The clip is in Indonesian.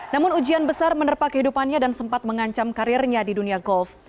namun ujian besar menerpa kehidupannya dan sempat mengancam karirnya di dunia golf